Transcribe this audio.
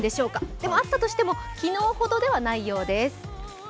でもあったとしても昨日ほどではないようです。